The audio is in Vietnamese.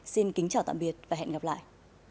xin kính chào tạm biệt và hẹn gặp lại